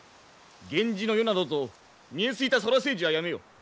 源氏の世などと見え透いたそら世辞はやめよ。